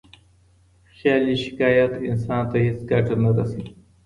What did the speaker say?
خیالي شکایت انسان ته هیڅ ګټه نه رسوي.